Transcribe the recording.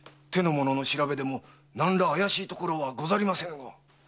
手の者の調べでもなんら怪しいところはございませぬが。